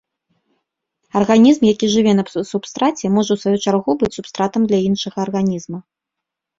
Арганізм, які жыве на субстраце, можа, у сваю чаргу, быць субстратам для іншага арганізма.